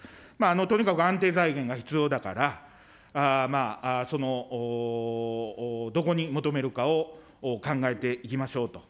とにかく安定財源が必要だから、どこに求めるかを考えていきましょうと。